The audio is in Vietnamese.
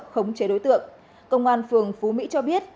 khống chế đối tượng công an phường phú mỹ cho biết